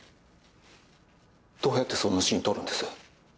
どうやってそんなシーン撮るんです？